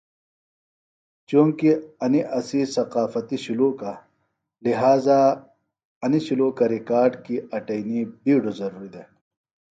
چونکیۡ انیۡ اسی تقافتی شُلوکہ لہٰذا انیۡ شُلوکہ ریکارڈ کیۡ اٹئنی بیڈوۡ ضروریۡ دےۡ